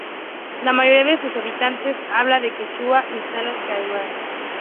La mayoría de sus habitantes habla el quechua Inkawasi-Kañaris.